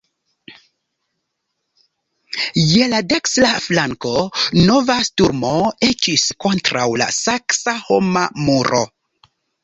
Je la dekstra flanko nova sturmo ekis kontraŭ la saksa homa muro.